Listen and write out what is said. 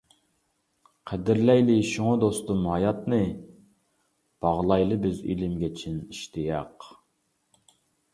قەدىرلەيلى شۇڭا دوستۇم ھاياتنى، باغلايلى بىز ئېلىمگە چىن ئىشتىياق.